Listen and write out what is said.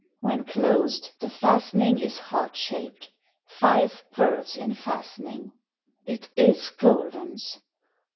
When closed the fastening is heart shaped. Five pearls in fastening.' It is Golden's.